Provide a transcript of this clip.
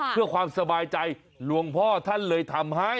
เพื่อความสบายใจหลวงพ่อท่านเลยทำให้